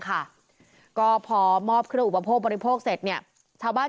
ค่ะก็พอมอบเครื่องอุปโภคบริโภคเสร็จเนี่ยชาวบ้าน